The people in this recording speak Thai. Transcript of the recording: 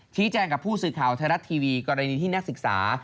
ชี้แจงกับผู้สื่อข่าวไทยรัฐทีวีกรณีที่นักศึกษา